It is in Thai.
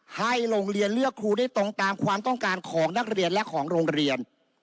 ให้โรงเรียนเลือกครูได้ตรงตามความต้องการของนักเรียนและของโรงเรียน